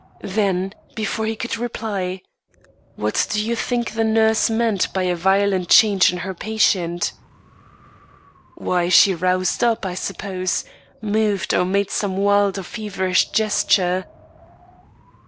Then before he could reply: "What do you think the nurse meant by a violent change in her patient?" "Why, she roused up, I suppose moved, or made some wild or feverish gesture."